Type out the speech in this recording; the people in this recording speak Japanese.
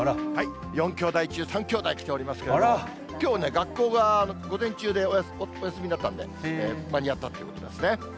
４きょうだい中、３きょうだい来ておりますけれども、きょうね、学校が午前中でお休みになったんで、間に合ったということですね。